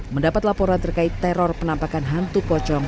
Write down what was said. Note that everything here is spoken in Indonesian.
mendapat laporan terkait teror penampakan hantu pocong